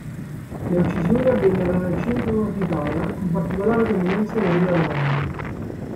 Le uccisioni avvennero nel centro-nord Italia, con particolare preminenza in Emilia-Romagna.